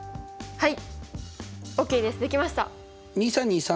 はい。